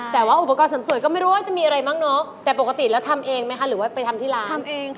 แล้วอุปกรณ์เสริมสวยแบบไหนราคาเพราะที่สุด